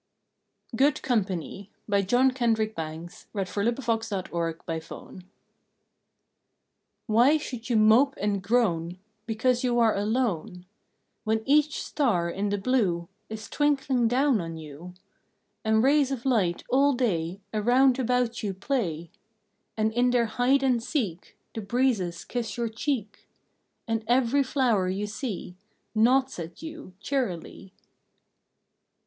That is the Road to Cheer Over the Hills of Fear! October Fourth GOOD COMPANY Y should you mope and groan Because you are alone, When each star in the blue Is twinkling down on you, And rays of light all day Around about you play, And in their hide and seek The breezes kiss your cheek, And every flower you see Nods at you cheerily?